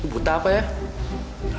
lu buta apa ya